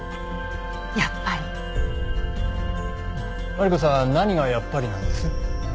マリコさん何がやっぱりなんです？